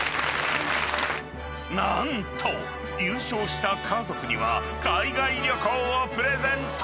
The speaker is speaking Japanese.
［何と優勝した家族には海外旅行をプレゼント］